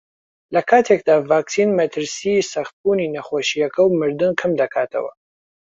لەکاتێکدا ڤاکسین مەترسیی سەختبوونی نەخۆشییەکە و مردن کەمدەکاتەوە